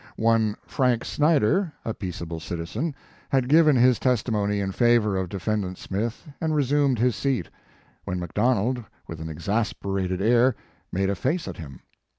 One Frank Snyder, a peac able citizen, had given his testimony in favor of defendant Smith and resumed his seat, when McDonald with an exasperat ing air made a face at him.